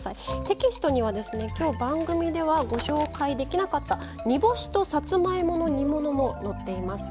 テキストにはですね今日番組ではご紹介できなかった煮干しとさつまいもの煮物も載っています。